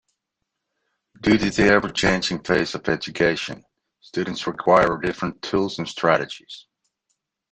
Due to the ever-changing face of education, students require different tools and strategies.